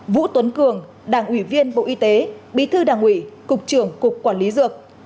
vũ tuấn cường đảng ủy viên bộ y tế bí thư đảng ủy cục trưởng cục quản lý dược